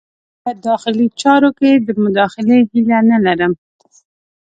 په داخلي چارو کې د مداخلې هیله نه لرم.